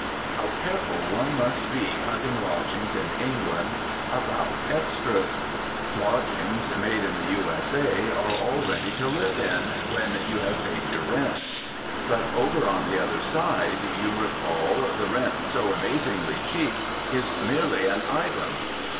How careful one must be hunting lodgings in England about "extras." Lodgings made in the U.S.A. are all ready to live in, when you have paid your rent. But over on the other side, you recall, the rent, so amazingly cheap, is merely an item.